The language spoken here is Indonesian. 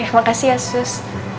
makasih ya sus